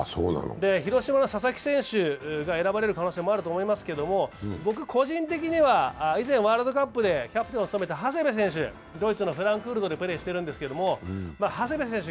広島の佐々木選手が選ばれる可能性もあると思いますが、僕個人的には、以前ワールドカップでキャプテンを務めた長谷部選手、ドイツのフランクフルトでプレーしているんですが、長谷部選手、